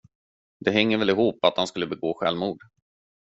Det hänger väl ihop, att han skulle begå självmord.